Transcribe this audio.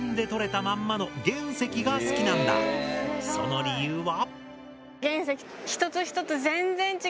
その理由は。